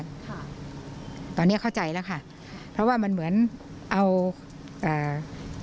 ค่ะตอนเนี้ยเข้าใจแล้วค่ะเพราะว่ามันเหมือนเอาอ่า